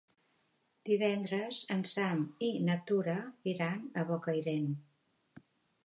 Divendres en Sam i na Tura iran a Bocairent.